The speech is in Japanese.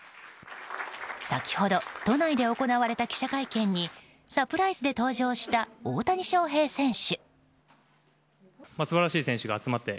先ほど都内で行われた記者会見にサプライズで登場した大谷翔平選手。